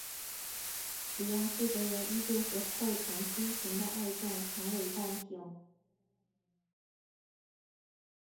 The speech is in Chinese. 主要负责人依旧是后藤新平的爱将长尾半平。